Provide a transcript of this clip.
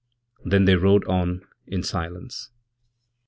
Then they rode on insilence.